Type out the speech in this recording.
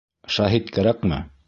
Шаһит кәрәкме?